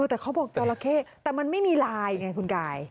แต่เขาบอกจราเข้แต่มันไม่มีลายไงคุณกาย